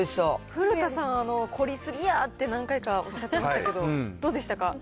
古田さん、凝り過ぎやって、何回かおっしゃってましたけど、どうでしたか？